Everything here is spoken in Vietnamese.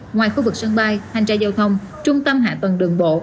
ngoài khu vực sân bay hành trại giao thông trung tâm hạ tầng đường bộ